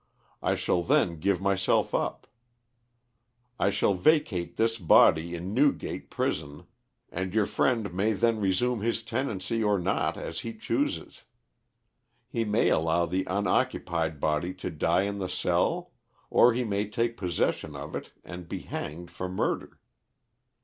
I shall then give myself up. I shall vacate this body in Newgate prison and your friend may then resume his tenancy or not as he chooses. He may allow the unoccupied body to die in the cell or he may take possession of it and be hanged for murder.